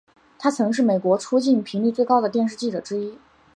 他曾是美国出境频率最高的电视记者之一。